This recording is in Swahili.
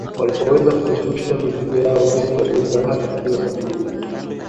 Walipoweza kushusha mizigo yao wengi walibeba hadi kilo sabini